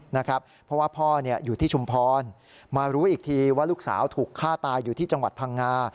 เพราะว่าพ่ออยู่ที่ชุมพรมารู้อีกทีว่าลูกสาวถูกฆ่าตายอยู่ที่จังหวัดพังงา